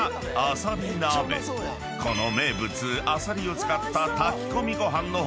［この名物あさりを使った炊き込みご飯の他